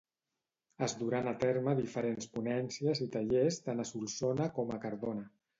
Es duran a terme diferents ponències i tallers tant a Solsona com a Cardona.